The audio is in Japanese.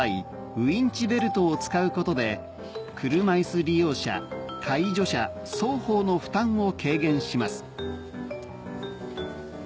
ウインチベルトを使うことで車いす利用者介助者双方の負担を軽減します